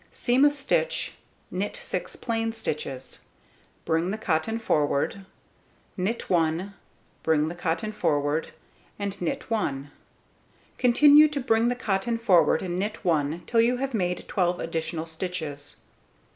Seam a stitch, knit 6 plain stitches, bring the cotton forward, knit 1, bring the cotton forward and knit 1. Continue to bring the cotton forward and knit 1 till you have made 12 additional stitches.